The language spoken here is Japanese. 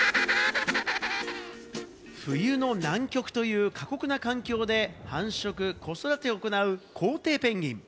冬の南極という過酷な環境で繁殖、子育てを行うコウテイペンギン。